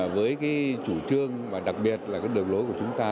với chủ trương và đặc biệt là đường lối của chúng ta